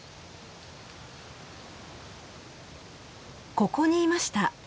ここにいました。